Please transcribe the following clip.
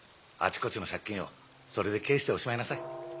あちこちの借金をそれで返しておしまいなさい。